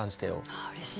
あうれしい。